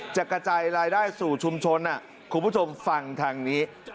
กระจายรายได้สู่ชุมชนคุณผู้ชมฟังทางนี้